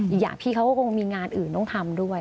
อีกอย่างพี่เขาก็คงมีงานอื่นต้องทำด้วย